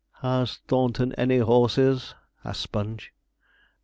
'Has Thornton any horses?' asked Sponge.